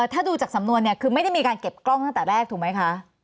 ถ้าดูจากสำนวนเนี่ยคือไม่ได้มีการเก็บกล้องตั้งแต่แรกถูกไหมคะ